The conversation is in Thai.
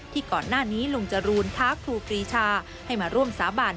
ก่อนหน้านี้ลุงจรูนท้าครูปรีชาให้มาร่วมสาบาน